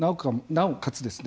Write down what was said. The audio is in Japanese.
なおかつ